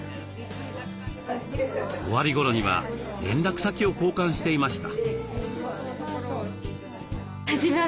終わりごろには連絡先を交換していました。